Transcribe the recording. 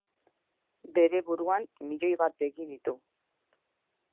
Bere buruan, milioi bat begi ditu.